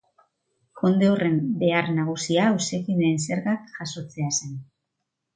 Konde horren behar nagusia auzokideen zergak jasotzea zen.